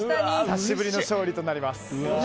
久しぶりの勝利となります。